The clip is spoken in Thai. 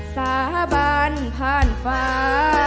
สาบานผ่านฟ้า